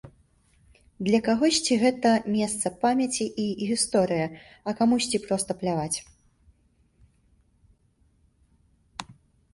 Для кагосьці гэта месца памяці і гісторыя, а камусьці проста пляваць.